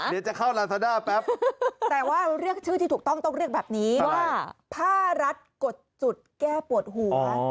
เดี๋ยวจะเข้าลาซาด้าแป๊บแต่ว่าเรียกชื่อที่ถูกต้องต้องเรียกแบบนี้ว่าผ้ารัฐกดจุดแก้ปวดหัว